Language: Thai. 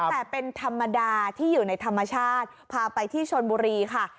แต่เป็นธรรมดาที่อยู่ในธรรมชาติพาไปที่ชนบุรีค่ะ